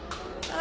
あ。